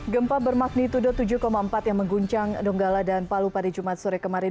gempa bermagnitudo tujuh empat yang mengguncang donggala dan palu pada jumat sore kemarin